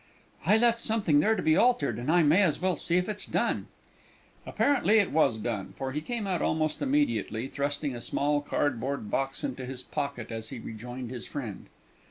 "I left something there to be altered, and I may as well see if it's done." Apparently it was done, for he came out almost immediately, thrusting a small cardboard box into his pocket as he rejoined his friend.